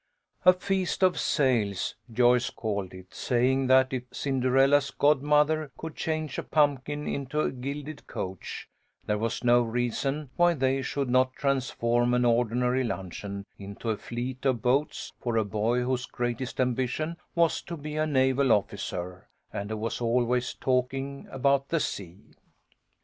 A Feast of Sails, Joyce called it, saying that, if Cinderella's godmother could change a pumpkin into a gilded coach, there was no reason why they should not transform an ordinary luncheon into a fleet of boats, for a boy whose greatest ambition was to be a naval officer, and who was always talking about the sea. A FEAST OF SAILS.